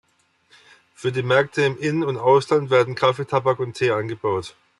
Für die Märkte im In- und Ausland werden Kaffee, Tabak und Tee angebaut.